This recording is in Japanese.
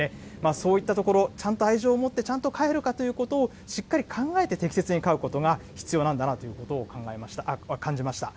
そういったところ、ちゃんと愛情を持ってちゃんと飼えるかということをしっかり考えて、適切に飼うことが必要なんだなということを感じました。